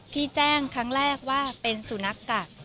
ที่แจ้งครั้งแรกว่าเป็นสุนัขตัก